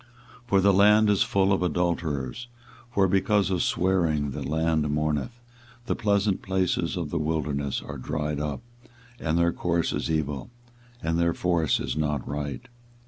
24:023:010 For the land is full of adulterers; for because of swearing the land mourneth; the pleasant places of the wilderness are dried up, and their course is evil, and their force is not right.